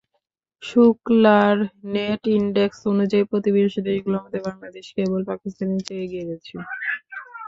ওকলার net index অনুযায়ী, প্রতিবেশী দেশগুলোর মধ্যে বাংলাদেশ কেবল পাকিস্তানের চেয়ে এগিয়ে রয়েছে।